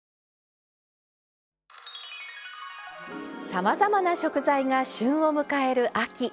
さまざまな食材が旬を迎える秋。